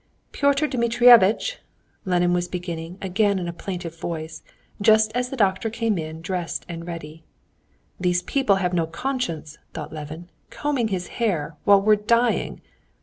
"Pyotr Dmitrievitch!" Levin was beginning again in a plaintive voice, just as the doctor came in dressed and ready. "These people have no conscience," thought Levin. "Combing his hair, while we're dying!"